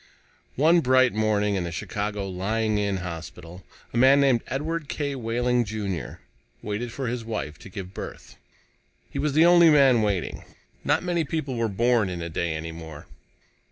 One bright morning in the Chicago Lying in Hospital, a man named Edward K. Wehling, Jr., waited for his wife to give birth. He was the only man waiting. Not many people were born a day any more.